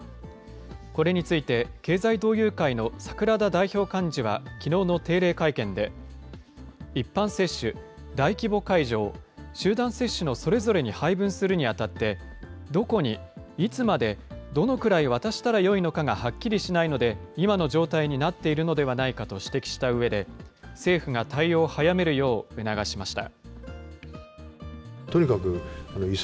これについて、経済同友会の櫻田代表幹事はきのうの定例会見で、一般接種、大規模会場、集団接種のそれぞれに配分するにあたって、どこに、いつまで、どのくらい渡したらよいのかがはっきりしないので、今の状態になっているのではないかと指摘したうえで、政府が対応を早めるよう、促しました。